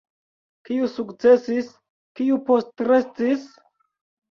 Kiu sukcesis, kiu postrestis?